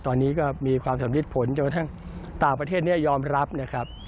ตอนนี้ก็มีความสำริดผลจนกระทั่งต่างประเทศนี้ยอมรับนะครับ